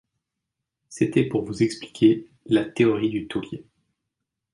C’était pour vous expliquer la théorie du Taulier.